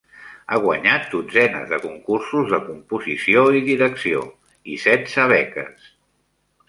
Ha guanyat dotzenes de concursos de composició i direcció, i setze beques.